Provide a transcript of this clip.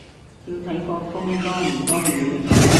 要睇個風多唔多雨